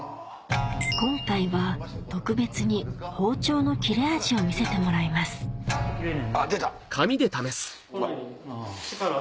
今回は特別に包丁の切れ味を見せてもらいます出た！